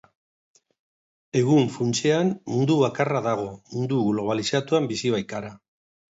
Egun, funtsean, mundu bakarra dago, mundu globalizatuan bizi baikara.